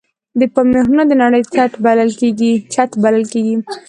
د پامیر غرونه د نړۍ چت بلل کېږي.